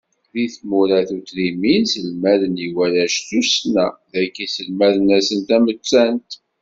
Di tmura tutrimin selmaden i warrac tussna, dagi selmaden-asen tamettant.